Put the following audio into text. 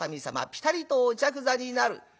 ぴたりとお着座になる。